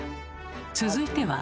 続いては。